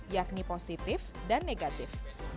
yakni positif dan negatif